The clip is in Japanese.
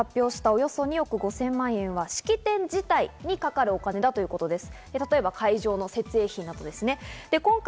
政府によりますと、先月発表したおよそ２億５０００万円は式典自体にかかるお金だということです。